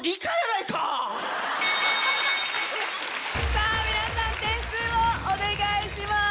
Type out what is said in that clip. さぁ皆さん点数をお願いします。